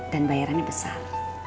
dan bayarannya besar